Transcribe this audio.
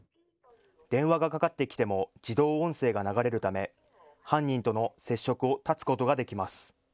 電話がかかってきても自動音声が流れるため犯人との接触を断つことができます。